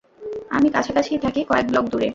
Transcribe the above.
আমি কাছাকাছিই থাকি, কয়েক ব্লক দূরে।